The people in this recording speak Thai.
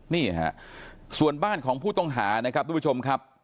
นี่ฮะส่วนบ้านของผู้ต้องหานะครับทุกผู้ชมครับ